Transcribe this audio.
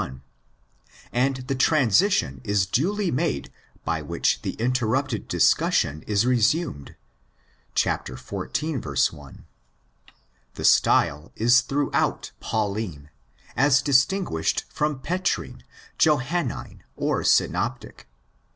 31), and the transition is duly made by which the interrupted discussion is resumed (xiv. 1). The style is throughout Pauline, as distinguished from Petrine, Johannine, or Synoptic.